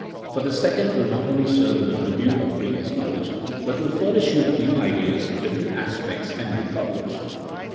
For the second will nol only serve as a review of previous knowledge, but will furnish you with new ideas, different aspects and new problems.